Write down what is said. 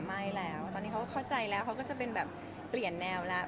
ไม่แล้วตอนนี้เขาก็เข้าใจแล้วเขาก็จะเป็นแบบเปลี่ยนแนวแล้ว